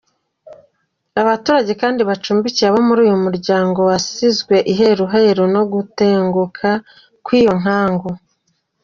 Abaturage kandi bacumbikiye abo muri uyu muryango wasizwe iheruheru no gutenguka kw’iyo nkangu.